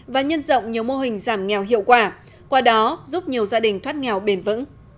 và nhân rộng nhiều mô hình giảm nghèo hiệu quả qua đó giúp nhiều gia đình thoát nghèo bền vững